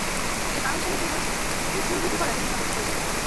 এর কারণ হিসেবে কেউ বলেছেন, স্ত্রী চুল বিক্রি করায় তিনি এই শপথটি করেছিলেন।